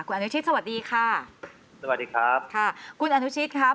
คุณอนุชิตสวัสดีค่ะสวัสดีครับค่ะคุณอนุชิตครับ